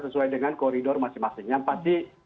sesuai dengan koridor masing masing yang pasti